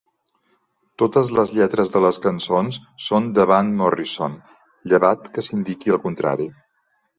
Totes les lletres de les cançons són deVan Morrison, llevat que s'indiqui el contrari.